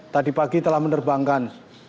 tadi pagi telah menerbangkan